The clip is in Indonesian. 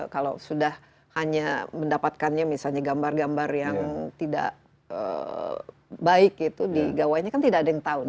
kalau sudah hanya mendapatkannya misalnya gambar gambar yang tidak baik itu di gawainya kan tidak ada yang tahu